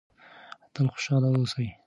تل خوشحاله اوسئ.